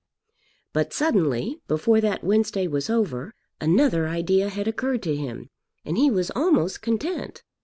But suddenly, before that Wednesday was over, another idea had occurred to him, and he was almost content.